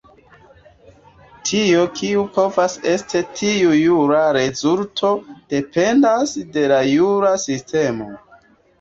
Tio, kio povas esti tiu jura rezulto, dependas de la jura sistemo.